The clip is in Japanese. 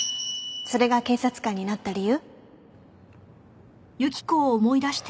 それが警察官になった理由？